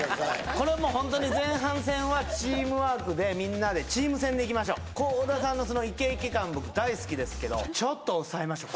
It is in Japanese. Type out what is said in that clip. これはもうホントにでみんなでチーム戦でいきましょう倖田さんのそのイケイケ感僕大好きですけどちょっと抑えましょう